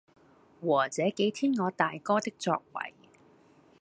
和這幾天我大哥的作爲，